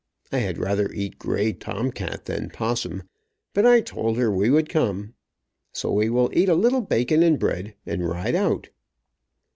I had rather eat gray tom cat than possum, but I told her we would come. So we will eat a little bacon and bread, and ride out."